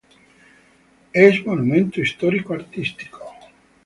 Es monumento Histórico Artístico.